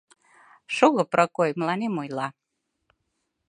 Шого Прокой мыланем ойла: